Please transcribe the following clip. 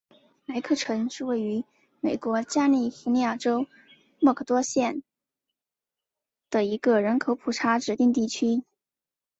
莱克城是位于美国加利福尼亚州莫多克县的一个人口普查指定地区。